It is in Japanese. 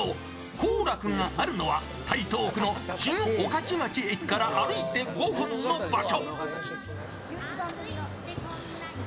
幸楽があるのは、台東区の新御徒町駅から歩いて５分の場所。